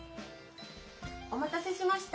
・お待たせしました。